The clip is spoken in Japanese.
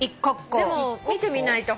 でも見てみないと。